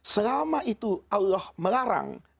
selama itu allah melarangnya